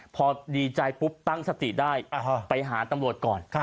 พอดีใจปุ๊บตั้งสติได้ไปหาตำรวจก่อน